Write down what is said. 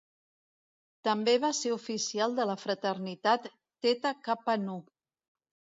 També va ser oficial de la fraternitat Theta Kappa Nu.